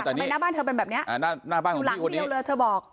ทำไมหน้าบ้านเธอเป็นแบบเนี้ยอ่าหน้าบ้านของพี่วันนี้ดูหลังเดียวเลยเธอบอก